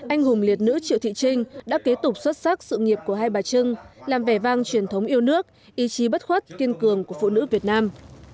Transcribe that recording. anh hùng liệt nữ triệu thị trinh đã kế tục xuất sắc sự nghiệp của hai bà trưng làm vẻ vang truyền thống yêu nước ý chí bất khuất kiên cường của phụ nữ việt nam